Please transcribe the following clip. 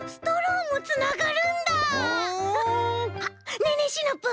ねえねえシナプー。